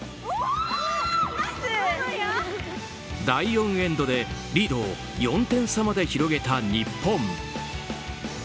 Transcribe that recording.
第４エンドでリードを４点差まで広げた日本。